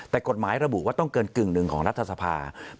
แต่กฎหมายระบุว่าต้องเกินกึ่งหนึ่งของรัฐสภาเมื่อเกินกึ่งหนึ่งของรัฐสภา